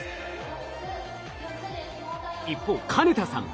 一方金田さん